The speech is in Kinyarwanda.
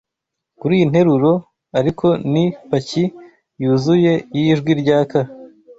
kuriyi nteruro, ariko ni paki yuzuye yijwi rya ka